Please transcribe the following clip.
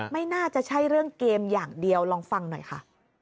ไม่น่าจะใช่เรื่องเกมอย่างเดียวลองฟังหน่อยค่ะ